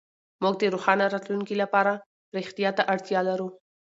موږ د روښانه راتلونکي لپاره رښتيا ته اړتيا لرو.